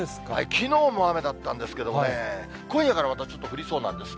きのうも雨だったんですけどね、今夜からまたちょっと降りそうなんです。